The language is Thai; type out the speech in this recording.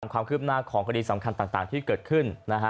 ความคืบหน้าของคดีสำคัญต่างที่เกิดขึ้น